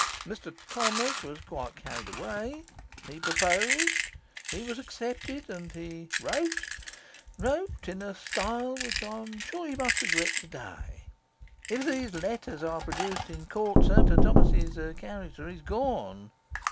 Mr Thomas was quite carried away; he proposed, he was accepted, and he wrote wrote in a style which I am sure he must regret today. If these letters are produced in court, sir, Mr Thomas's character is gone.